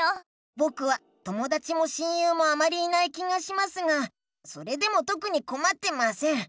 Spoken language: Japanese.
ぼくはともだちも親友もあまりいない気がしますがそれでもとくにこまってません。